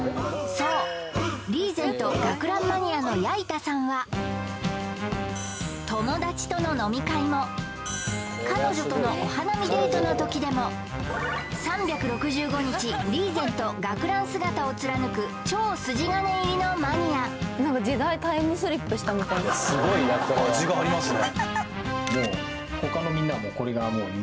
そうリーゼント・学ランマニアの矢板さんは友達との飲み会も彼女とのお花見デートのときでも３６５日リーゼント・学ラン姿を貫く超筋金入りのマニア味がありますね